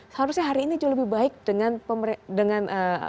seharusnya hari ini jauh lebih baik dengan